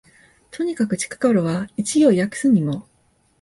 とにかく近頃は一行訳すにも、